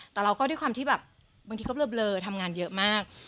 แต่เราก็ด้วยความที่แบบบางทีก็เบลอทำงานเยอะมาก